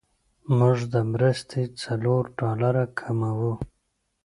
موږ د مرستې څلور ډالره کموو.